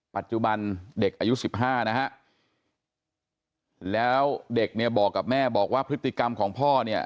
ปัจจุบันเด็กอายุสิบห้านะฮะแล้วเด็กเนี่ยบอกกับแม่บอกว่าพฤติกรรมของพ่อเนี่ย